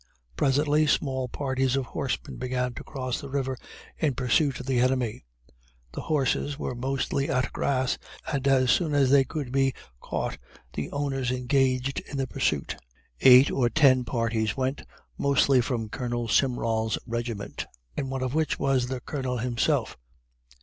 Presently small parties of horsemen began to cross the river in pursuit of the enemy. The horses were mostly at grass, and as soon as they could be caught the owners engaged in the pursuit. Eight or ten parties went, mostly from Colonel Simrall's regiment, in one of which was the Colonel himself.